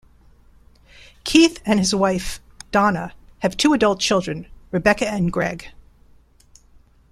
Keith and his wife, Donna, have two adult children, Rebecca and Greg.